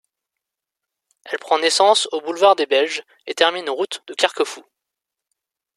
Elle prend naissance au Boulevard des Belges et termine route de Carquefou.